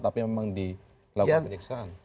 tapi memang dilakukan penyeksaan